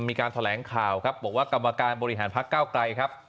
มีการแถลงข่าวครับบอกว่ากรรมการบริหารพักเก้าไกลครับ